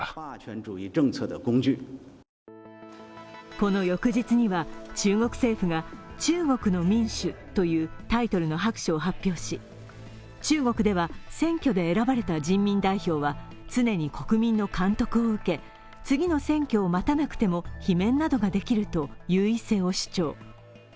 この翌日には中国政府が「中国の民主」というタイトルの白書を発表し中国では選挙で選ばれた人民代表は常に国民の監督を受け、次の選挙を待たなくても罷免などができると優位性を主張。